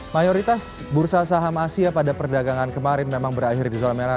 mayoritas bursa saham asia pada perdagangan kemarin memang berakhir di zona merah